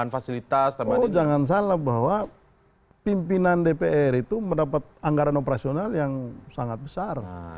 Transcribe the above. politik walaupun sebenarnya agak aneh